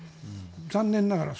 残念ながら。